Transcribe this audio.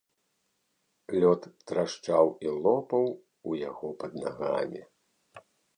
Лёд трашчаў і лопаў у яго пад нагамі.